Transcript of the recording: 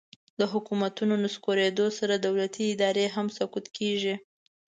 د حکومتونو نسکورېدو سره دولتي ادارې هم سقوط کیږي